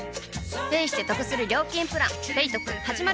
ペイしてトクする料金プラン「ペイトク」始まる！